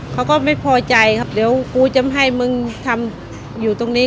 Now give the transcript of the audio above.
เขาก็ไม่พอใจครับเดี๋ยวกูจะไม่ให้มึงทำอยู่ตรงนี้